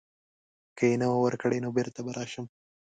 که یې نه وه ورکړې نو بیرته به راشم.